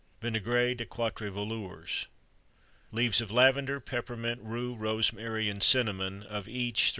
VINAIGRE DE QUATRE VOLEURS. Leaves of lavender, peppermint, rue, rosemary, and cinnamon, of each 3¼ oz.